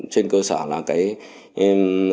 trên cơ sở là cái